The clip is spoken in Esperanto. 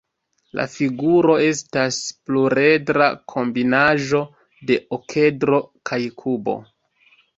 La figuro estas pluredra kombinaĵo de okedro kaj kubo.